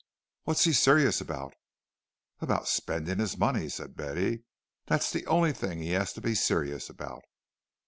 "What's he serious about?" "About spending his money," said Betty. "That's the only thing he has to be serious about."